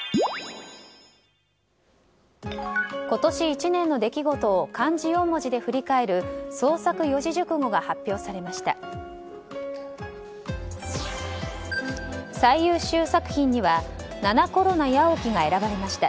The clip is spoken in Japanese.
今年１年の出来事を漢字４文字で振り返る創作四字熟語が発表されました。